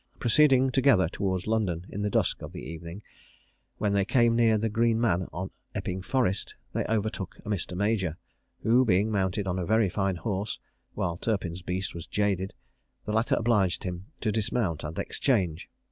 Proceeding together towards London in the dusk of the evening, when they came near the Green Man on Epping Forest, they overtook a Mr. Major, who being mounted on a very fine horse, while Turpin's beast was jaded, the latter obliged him to dismount, and exchange.